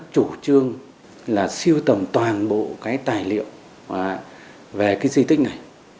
chủ trương là siêu tầm toàn bộ cái tài liệu về cái di tích này